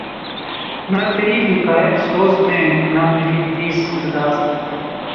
نہ تری حکایت سوز میں نہ مری حدیث گداز میں